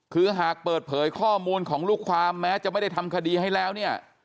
คือหากเปิดเผยข้อมูลของลูกความแม้จะไม่ได้ทำคดีให้แล้วเนี่ย